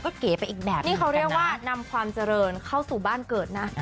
ก็เก๋ไปอีกแบบนี้เขาเรียกว่านำความเจริญเข้าสู่บ้านเกิดนะ